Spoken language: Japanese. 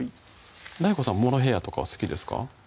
ＤＡＩＧＯさんモロヘイヤとかは好きですか？